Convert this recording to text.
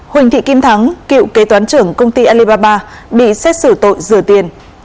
huỳnh thị kim thắng cựu kế toán trưởng công ty alibaba bị xét xử tội rửa tiền